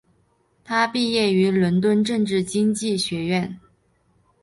他毕业于伦敦政治经济学院。